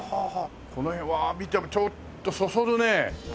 この辺は見てもちょっとそそるね。